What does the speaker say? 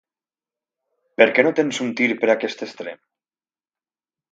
Per què no tens un tir per aquest extrem?